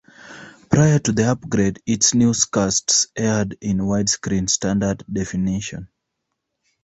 Prior to the upgrade, its newscasts aired in widescreen standard definition.